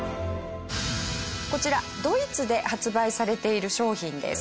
こちらドイツで発売されている商品です。